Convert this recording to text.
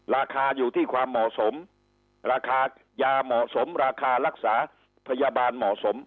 ราคาอยู่ที่ความเหมาะสมราคายาเหมาะสมราคารักษาพยาบาลเหมาะสม